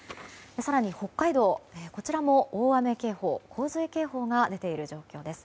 更に北海道も大雨警報、洪水警報が出ている状況です。